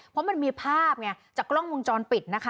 เพราะมันมีภาพจากกล้องมุมจรปิด